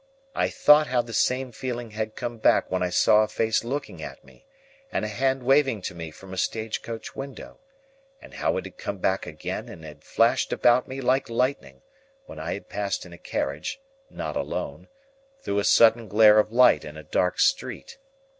I thought how the same feeling had come back when I saw a face looking at me, and a hand waving to me from a stage coach window; and how it had come back again and had flashed about me like lightning, when I had passed in a carriage—not alone—through a sudden glare of light in a dark street.